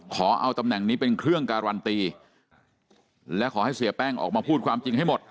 ขอเอาตำแหน่งนี้เป็นเครื่องการันตีและขอให้เสียแป้งออกมาพูดความจริงให้หมด